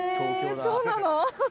そうなの？